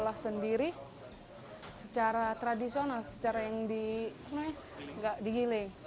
mencari masukan sendiri secara tradisional secara yang di giling